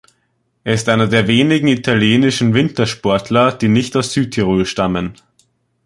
Er ist einer der wenigen italienischen Wintersportler, die nicht aus Südtirol stammen.